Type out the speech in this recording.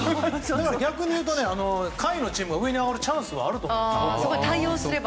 逆に言うと下位のチームが上に上がるチャンスがあると思いますよ。